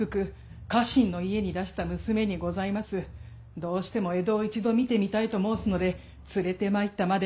どうしても江戸を一度見てみたいと申すので連れてまいったまで。